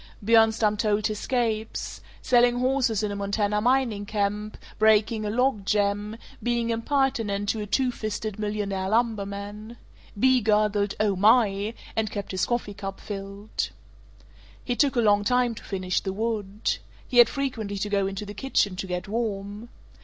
Bjornstam told his scapes: selling horses in a Montana mining camp, breaking a log jam, being impertinent to a "two fisted" millionaire lumberman. Bea gurgled "Oh my!" and kept his coffee cup filled. He took a long time to finish the wood. He had frequently to go into the kitchen to get warm.